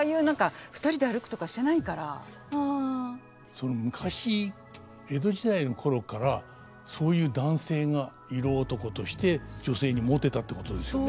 その昔江戸時代の頃からそういう男性が色男として女性にモテたってことですよね。